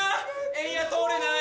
エンヤ通れない！